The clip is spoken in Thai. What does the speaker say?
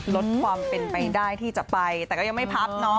ลดความเป็นไปได้ที่จะไปแต่ก็ยังไม่พับเนาะ